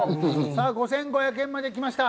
５５００円まできました。